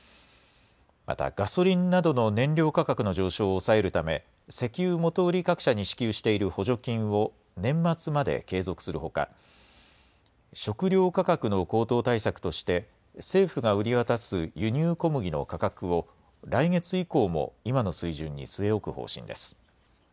また、ガソリンなどの燃料価格の上昇を抑えるため、石油元売り各社に支給している補助金を、年末まで継続するほか、食料価格の高騰対策として、政府が売り渡す輸入小麦の価格を、来月以降も今の水準に据え置く方針です。